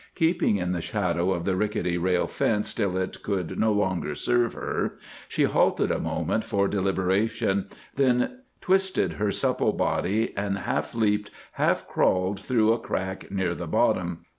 Keeping in the shadow of the rickety rail fence till it could no longer serve her, she halted a moment for deliberation, then twisted her supple body and half leaped, half crawled through a crack near the bottom.